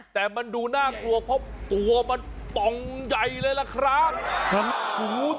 แต่มันดูน่ากลัวเพราะตัวมันป่องใหญ่เลยล่ะครับ